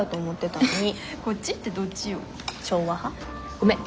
ごめん